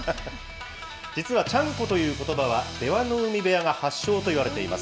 実はちゃんこということばは、出羽海部屋が発祥といわれています。